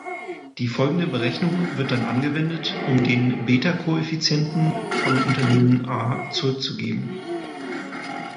Die folgende Berechnung wird dann angewendet, um den Beta-Koeffizienten von Unternehmen A zurückzugeben.